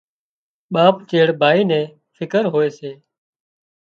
ٻاپ چيڙ ڀائي نين فڪر هوئي سي